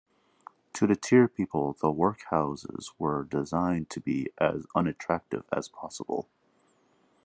To deter people, the workhouses were designed to be as unattractive as possible.